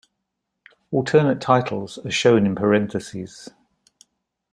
Alternate titles are shown in parentheses.